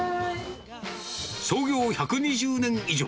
創業１２０年以上。